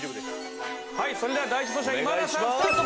はいそれでは第１走者今田さんスタート。